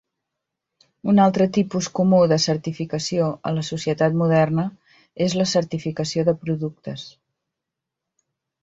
Un altre tipus comú de certificació a la societat moderna és la certificació de productes.